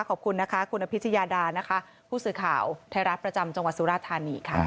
ขอบคุณนะคะคุณอภิชยาดานะคะผู้สื่อข่าวไทยรัฐประจำจังหวัดสุราธานีค่ะ